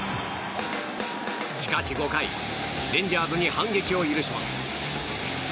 しかし、５回レンジャーズに反撃を許します。